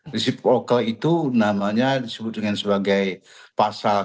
reciprocal itu disebut dengan sebagai pasal